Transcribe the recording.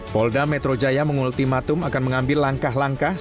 polda metro jaya mengultimatum akan mengambil langkah langkah